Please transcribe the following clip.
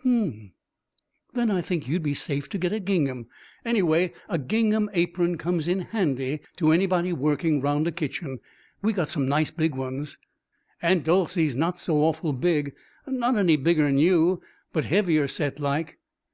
"H'm. Then I think you'd be safe to get a gingham; anyway, a gingham apron comes in handy to anybody working round a kitchen. We got some nice big ones." "Aunt Dolcey's not so awful big; not any bigger'n you, but heavier set, like."